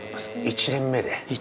◆１年目で。